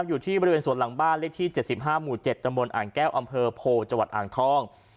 อยู่ที่บริเวณสวนหลังบ้านเลขที่๗๕หมู่๗ตำบลอ่างแก้วอำเภอโพจังหวัดอ่างทอง